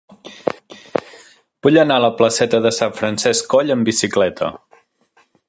Vull anar a la placeta de Sant Francesc Coll amb bicicleta.